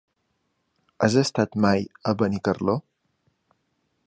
Has estat mai a Benicarló?